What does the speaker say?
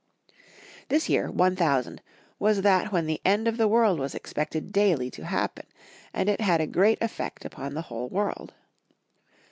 This year, 1000, was that when the end of the world was expected daily to happen, and it had a great eflfect upon the whole world.